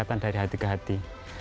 akan dari hati ke hati